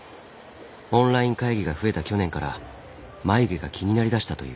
オンライン会議が増えた去年から眉毛が気になりだしたという。